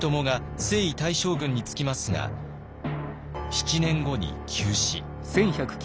７年後に急死。